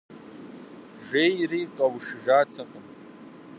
Жейри, къэушыжатэкъым…